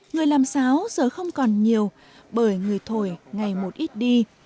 người làm sáo giờ không còn nhiều bởi người thổi ngày một ít đi